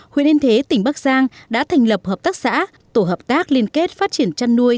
huyện yên thế tỉnh bắc giang đã thành lập hợp tác xã tổ hợp tác liên kết phát triển chăn nuôi